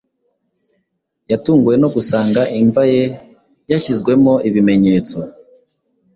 yatunguwe no gusanga imva ye yashyizweho ibimenyetso